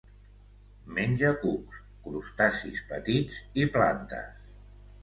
Menja cucs, crustacis petits i plantes.